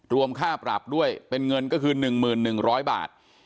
ค่าปรับด้วยเป็นเงินก็คือ๑๑๐๐บาท